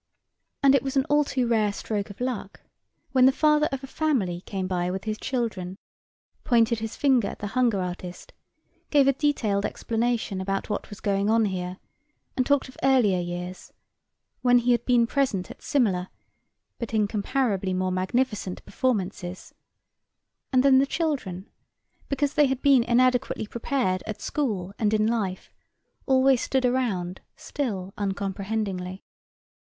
And it was an all too rare stroke of luck when the father of a family came by with his children, pointed his finger at the hunger artist, gave a detailed explanation about what was going on here, and talked of earlier years, when he had been present at similar but incomparably more magnificent performances, and then the children, because they had been inadequately prepared at school and in life, always stood around still uncomprehendingly.